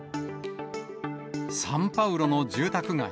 サンパウロの住宅街。